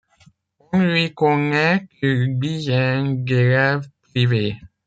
On lui connait une dizaine d’élèves privés.